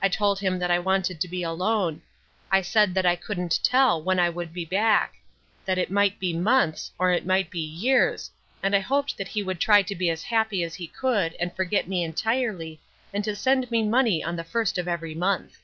I told him that I wanted to be alone: I said that I couldn't tell when I would be back that it might be months, or it might be years, and I hoped that he would try to be as happy as he could and forget me entirely, and to send me money on the first of every month.